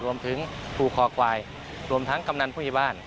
รวมถึงภูคอควายรวมทั้งกำนันผู้ใหญ่บ้าน